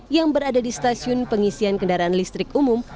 yang berada di stasiun pengisian kendaraan listrik umum